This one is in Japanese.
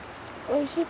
おいしい？